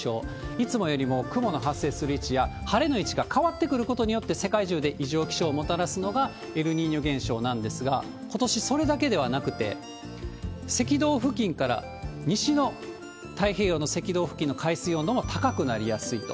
いつもよりも雲の発生する位置や、晴れの位置が変わってくることによって、世界中で異常気象をもたらすのがエルニーニョ現象なんですが、ことしそれだけではなくて、赤道付近から西の太平洋の赤道付近の海水温度も高くなりやすいと。